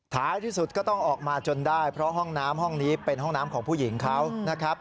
ท้ายที่สุดก็ต้องออกมาจนได้เพราะห้องน้ำห้องนี้เป็นห้องน้ำของผู้หญิงเขานะครับ